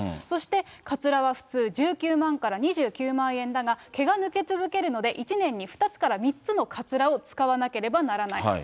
そして、かつらは普通１９万から２９万円だが、毛が抜け続けるので、１年に２つから３つのかつらを使わなければならない。